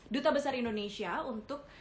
duta besar indonesia untuk